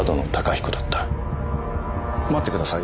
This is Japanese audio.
待ってください。